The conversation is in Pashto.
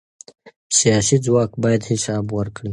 سیاسي ځواک باید حساب ورکړي